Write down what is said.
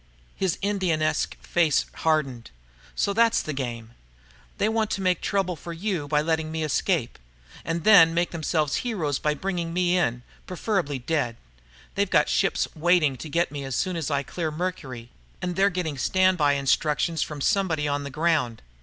His Indianesque face hardened. "So that's the game! They want to make trouble for you by letting me escape and then make themselves heroes by bringing me in, preferably dead. "They've got ships waiting to get me as soon as I clear Mercury, and they're getting stand by instructions from somebody on the ground.